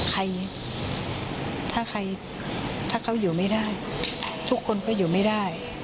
ใครถ้าใครถ้าเขาอยู่ไม่ได้ทุกคนก็อยู่ไม่ได้